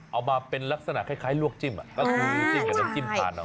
เอามาเป็นลักษณะคล้ายลวกจิ้มก็คือจิ้มแล้วก็จิ้มผ่าน